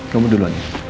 kamu duluan ya